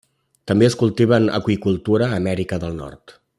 També es cultiva en aqüicultura a Amèrica del Nord.